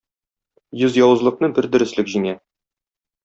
Йөз явызлыкны бер дөреслек җиңә.